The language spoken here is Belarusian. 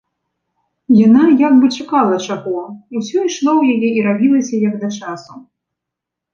Яна як бы чакала чаго, усё ішло ў яе і рабілася як да часу.